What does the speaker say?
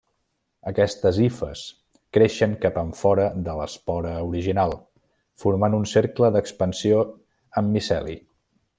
Aquestes hifes creixen cap enfora de l'espora original, formant un cercle d'expansió amb miceli.